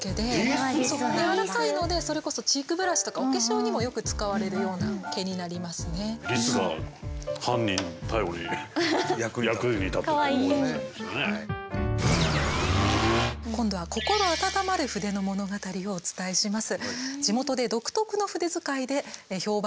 柔らかいのでそれこそ今度は心温まる筆の物語をお伝えします。